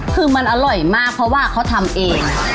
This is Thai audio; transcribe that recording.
คือมันอร่อยมากเพราะว่าเขาทำเอง